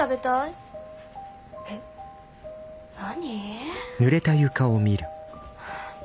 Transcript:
えっ何？